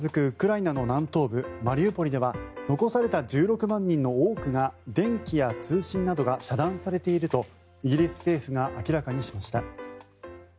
ウクライナの南東部マリウポリでは残された１６万人の多くが電気や通信などが遮断されているとイギリス政府が明らかにしました。